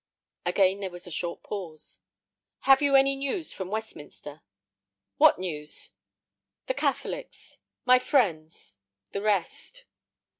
Again there was a short pause. "Have you any news from Westminster?" "What news?" "The Catholics, my friends—the rest."